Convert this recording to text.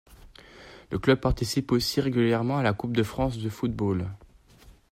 Le club participe aussi régulièrement à la Coupe de France de football.